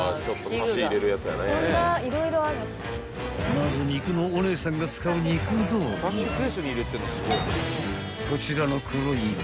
［まず肉のお姉さんが使う肉道具はこちらの黒い棒］